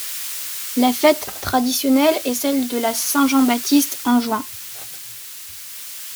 La fête traditionnelle est celle de la Saint-Jean-Baptiste en juin.